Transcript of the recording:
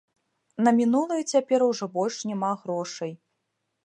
На мінулае цяпер ужо больш няма грошай.